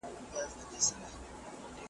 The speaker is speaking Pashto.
مصنوعي ځیرکتیا د بشر پر ژوند ژور تاثیر کړی دی.